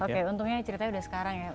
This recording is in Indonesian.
oke untungnya ceritanya udah sekarang ya